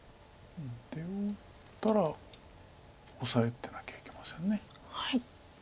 手抜いたらオサえてなきゃいけません。